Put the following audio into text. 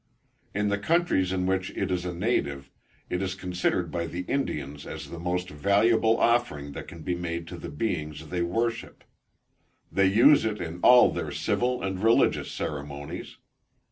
In the countries of which it is a native, it is considered by the Indians as the most valuable offering that can be made to the Beings they worship: they use it in all their civil and religious ceremonies.